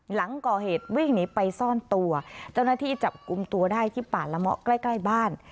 หลังก่อเหตุวิ่งหนีไปซ่อนตัวเจ้าหน้าที่จับกลุ่มตัวได้ที่ป่าละเมาะใกล้ใกล้บ้าน